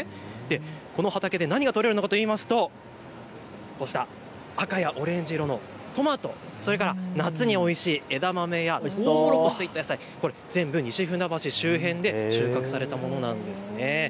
この畑で何が取れるのかといいますとこうした赤やオレンジ色のトマト、それから夏においしい枝豆やとうもろこしといった野菜、これ全部、西船橋周辺で収穫されたものなんです。